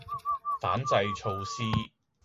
反制措施